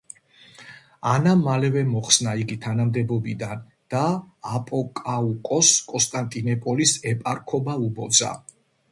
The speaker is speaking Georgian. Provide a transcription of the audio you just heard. ანამ მალევე მოხსნა იგი თანამდებობიდან და აპოკაუკოსს კონსტანტინოპოლის ეპარქობა უბოძა.